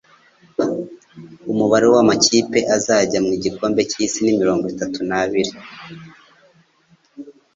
Umubare w’ amakipe azajya mu gikombe cy’isi ni mirongo itatu n’abiri